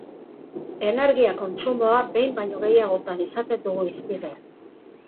Energia kontsumoa behin baino gehiagotan izaten dugu hizpide.